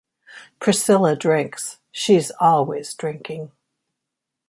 Priscilla drinks — she's always drinking.